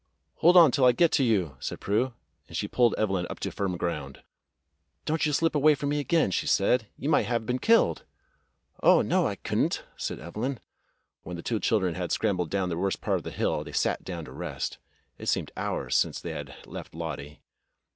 "Hold on till I get to you," said Prue, and she pulled Evelyn up to firm ground. "Don't you slip away from me again," she said. "You might have been killed." "Oh, no, I could n't," said Evelyn. When the two children had scrambled down the worst part of the hill, they sat down to rest. It seemed hours since they had left Lottie.